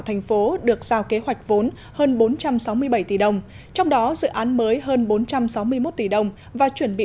thành phố được giao kế hoạch vốn hơn bốn trăm sáu mươi bảy tỷ đồng trong đó dự án mới hơn bốn trăm sáu mươi một tỷ đồng và chuẩn bị